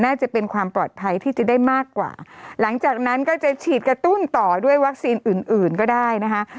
น่าจะเป็นความปลอดภัยที่จะได้มากกว่าหลังจากนั้นก็จะฉีดกระตุ้นต่อด้วยวัคซีนอื่นอื่นก็ได้นะคะ